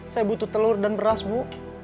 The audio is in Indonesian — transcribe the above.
saya butuh telur dan beras bu